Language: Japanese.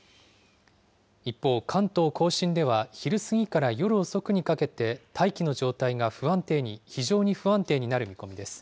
一方、関東甲信では昼過ぎから夜遅くにかけて、大気の状態が不安定に、非常に不安定になる見込みです。